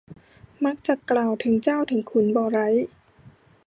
มักจักกล่าวถึงเจ้าถึงขุนบ่ไร้